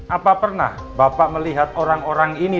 apa pernah bapak melihat orang orang ini